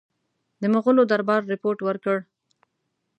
د مغولو دربار رپوټ ورکړ.